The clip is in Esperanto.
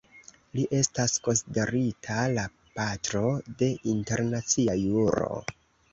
Li estas konsiderita la "patro de internacia juro".